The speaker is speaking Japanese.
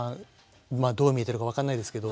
まあどう見えてるか分かんないですけど。